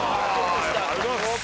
ありがとうございます。